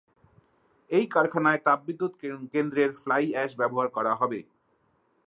এই কারখানায় তাপবিদ্যুৎ কেন্দ্রের ফ্লাই অ্যাশ ব্যবহার করা হবে।